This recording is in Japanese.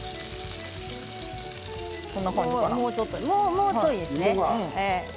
もうちょい、ですね。